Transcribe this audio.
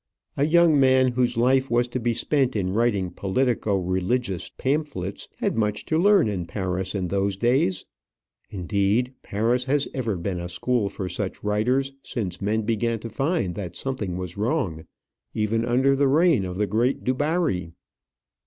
A young man whose life was to be spent in writing politico religious pamphlets had much to learn in Paris in those days. Indeed, Paris has ever been a school for such writers since men began to find that something was wrong, even under the reign of the great Dubarry.